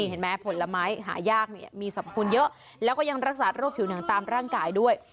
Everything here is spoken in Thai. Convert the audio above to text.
เห็นไหมผลไม้หายากเนี่ยมีสรรพคุณเยอะแล้วก็ยังรักษาโรคผิวหนังตามร่างกายด้วย